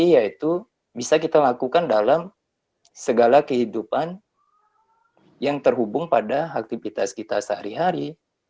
yaitu bisa kita lakukan dalam segala kehidupan yang terhubung pada aktivitas kita sehari hari